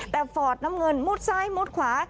แต่ฟอร์ดน้ำเงินมุดซ้ายมุดขวา